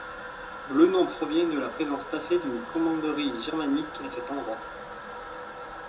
Le nom provient de la présence passée d'une commanderie germanique à cet endroit.